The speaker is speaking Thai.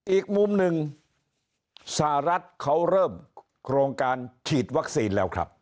อีกมุมหนึ่งสหรัฐเขาเริ่มโครงการฉีดวัคซีนแล้วครับ